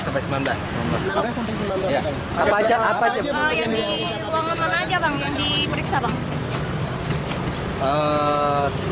yang di ruang mana aja bang yang diperiksa bang